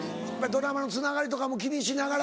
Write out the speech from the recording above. ドラマのつながりとかも気にしながら。